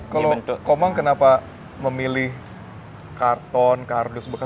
kalau komang kenapa memilih karton kardus bekas